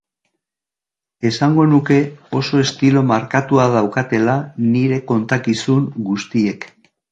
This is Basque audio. Esango nuke oso estilo markatua daukatela nire kontakizun guztiek.